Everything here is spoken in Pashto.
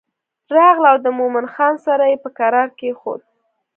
راغله او د مومن خان سر یې په کرار کېښود.